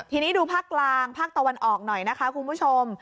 ทีนี้ดูภาคกลางภาคตะวันออกหน่อยนะคะคุณผู้ชม